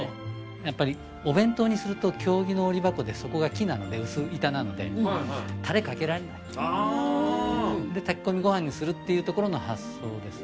やっぱりお弁当にすると経木の折箱で底が木なので薄板なのでタレかけられないあで炊き込みご飯にするっていうところの発想です